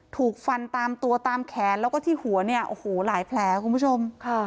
ถูกฟันตามตัวตามแขนแล้วก็ที่หัวเนี่ยโอ้โหหลายแผลคุณผู้ชมค่ะ